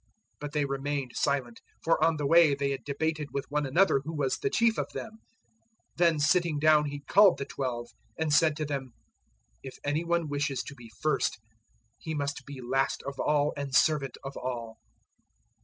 009:034 But they remained silent; for on the way they had debated with one another who was the chief of them. 009:035 Then sitting down He called the Twelve, and said to them, "If any one wishes to be first, he must be last of all and servant of all."